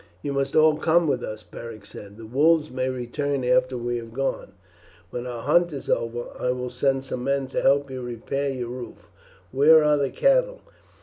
"You must all come with us," Beric said; "the wolves may return after we have gone. When our hunt is over I will send some men to help you to repair your roof. Where are the cattle?"